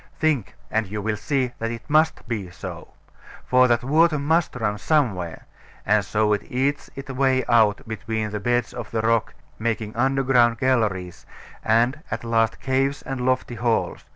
Think: and you will see that it must be so. For that water must run somewhere; and so it eats its way out between the beds of the rock, making underground galleries, and at last caves and lofty halls.